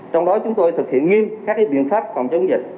trong đó chúng tôi thực hiện nghiêm các biện pháp phòng chống dịch